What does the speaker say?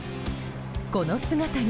この姿に。